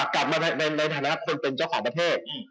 กลับมาในฐานะคนเป็นเจ้าของประเทศ